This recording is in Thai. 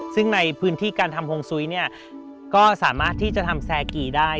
ซึ่งในพื้นที่การทำโฮงซุ้ยเนี่ยก็สามารถที่จะทำแซกีได้